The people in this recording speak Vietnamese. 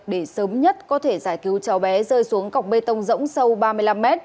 để sớm nhất có thể giải cứu cháu bé rơi xuống cọc bê tông rỗng sâu ba mươi năm m